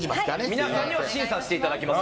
皆さんには審査していただきます。